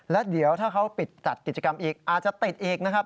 แล้วเดี๋ยวถ้าเขาปิดจัดกิจกรรมอีกอาจจะติดอีกนะครับ